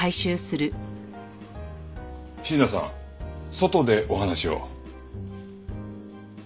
椎名さん外でお話を。